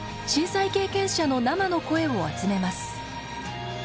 震災経験者の生の声を集めます。